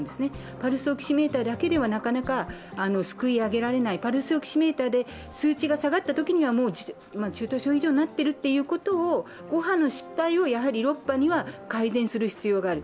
パルスオキシメーターだけではなかなかすくい上げられないパルスオキシメーターで数値が下がったときには中等症以上になっているということを、５波の失敗を６波では改善する必要がある。